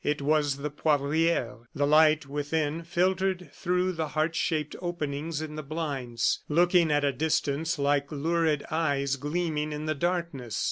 It was the Poivriere. The light within filtered through the heart shaped openings in the blinds, looking at a distance like lurid eyes gleaming in the darkness.